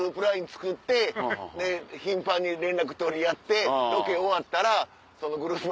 ＬＩＮＥ作ってで頻繁に連絡取り合ってロケ終わったらそのグループ